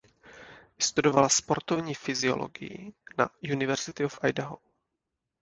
Vystudovala sportovní fyziologii na University of Idaho.